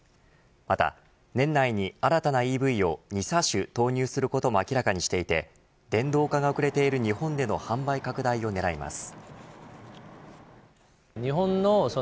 また年内に新たなＥＶを２車種投入することも明らかにしていて電動化が遅れている日本での販売拡大を狙います。